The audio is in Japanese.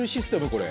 これ。